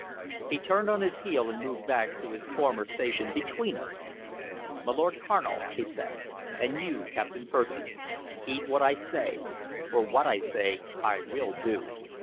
He turned on his heel and moved back to his former station between us two. "My Lord Carnal," he said, "and you, Captain Percy, heed what I say; for what I say I will do.